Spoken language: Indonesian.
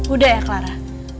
udah ya clara